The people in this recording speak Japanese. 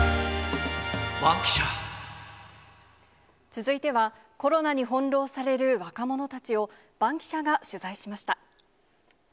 続いては、コロナに翻弄される若者たちを、バンキシャが取材しました。